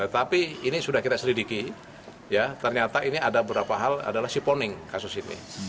tapi ini sudah kita selidiki ternyata ini ada beberapa hal adalah siponing kasus ini